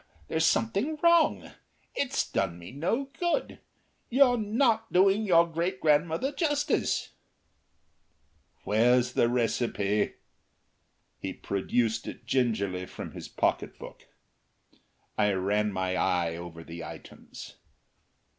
There's something wrong. It's done me no good. You're not doing your great grandmother justice." "Where's the recipe?" He produced it gingerly from his pocket book. I ran my eye over the items.